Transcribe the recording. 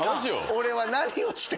俺は何をしてる？